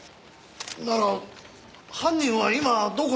なら犯人は今どこに？